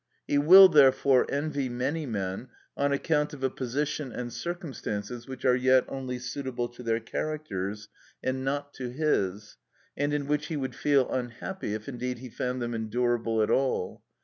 He will, therefore, envy many men on account of a position and circumstances which are yet only suitable to their characters and not to his, and in which he would feel unhappy, if indeed he found them endurable at all.